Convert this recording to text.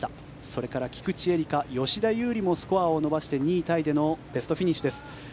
それから菊地絵理香、吉田優利もスコアを伸ばして２位タイでのベストフィニッシュです。